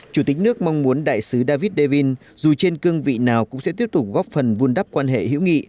chủ tịch nước mong muốn đại sứ david davin dù trên cương vị nào cũng sẽ tiếp tục góp phần vun đắp quan hệ hữu nghị